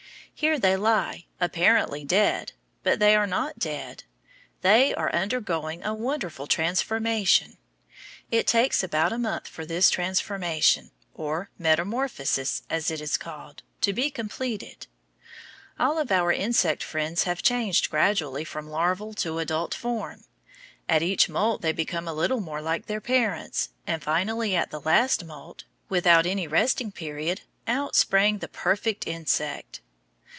Here they lie, apparently dead, but they are not dead. They are undergoing a wonderful transformation. It takes about a month for this transformation, or metamorphosis, as it is called, to be completed. All of our other insect friends have changed gradually from larval to adult form. At each moult they became a little more like their parents, and finally at the last moult, without any resting period, out sprang the perfect insect.